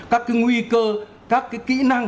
các cái nguy cơ các cái kỹ năng